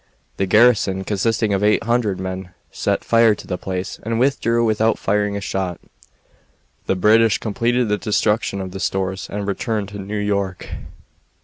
The garrison, consisting of 800 men, set fire to the place and withdrew without firing a shot. The British completed the destruction of the stores and returned to New York.